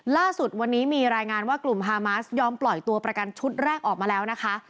ล่าสุดวันนี้มีรายงานว่ากลุ่มฮามาสยอมปล่อยตัวประกันชุดแรกออกมาแล้วนะคะ